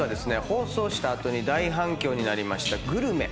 放送した後に大反響になりましたグルメ。